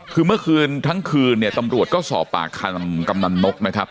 คือเมื่อคืนทั้งคืนเนี่ยตำรวจก็สอบปากคำกำนันนกนะครับ